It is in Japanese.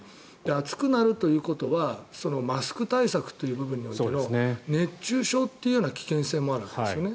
暑くなるということはマスク対策という部分において熱中症という危険性もあるんですね。